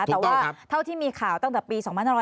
แต่ว่าเท่าที่มีข่าวตั้งแต่ปี๒๕๖๐